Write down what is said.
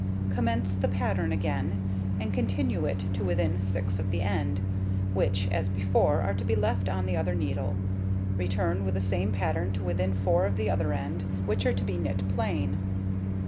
Commence the pattern again, and continue it to within 6 of the end, which, as before, are to be left on the other needle. Return with the same pattern to within 4 of the other end, which are to be knit plain.